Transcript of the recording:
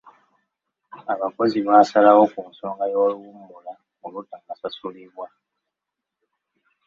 Abakozi baasalawo ku nsonga y'oluwummula olutannasasulibwa.